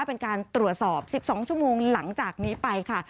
เป็นการตรวจสอบ๑๒ชั่วโมงหลังจากนี้ไปค่ะ